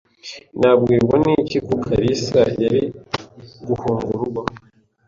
Nabwirwa n'iki ko kalisa yari guhunga urugo?